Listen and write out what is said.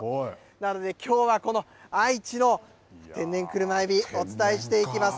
なので、きょうはこの愛知の天然車えび、お伝えしていきます。